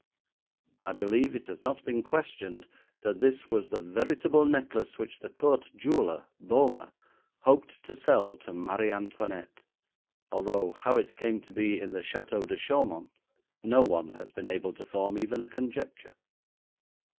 I believe it has not been questioned that this was the veritable necklace which the court jeweller, Boehmer, hoped to sell to Marie Antoinette, although how it came to be in the Château de Chaumont no one has been able to form even a conjecture.